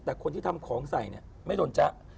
แต่คนที่ทำของใส่ไม่โดนจั๊ะ